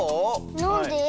なんで？